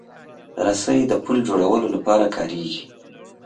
رسۍ د پُل جوړولو لپاره کارېږي.